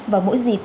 vào mỗi dịp